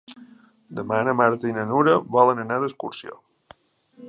Demà na Marta i na Nura volen anar d'excursió.